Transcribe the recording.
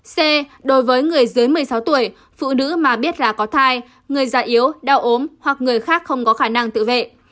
c đối với người dưới một mươi sáu tuổi phụ nữ mà biết là có thai người già yếu đau ốm hoặc người khác không có khả năng tự vệ